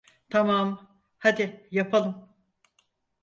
Tamam, hadi yapalım.